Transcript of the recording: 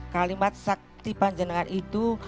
kalimat sakti panjenengan itu